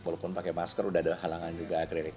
walaupun pakai masker sudah ada halangan juga akrilik